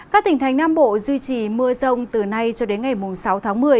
các tỉnh thành nam bộ duy trì mưa rông từ nay cho đến ngày sáu tháng một mươi